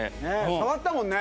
触ったもんね。